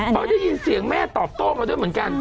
เพราะได้ยินเสียงแม่ตอบโต้มาด้วยเหมือนกัน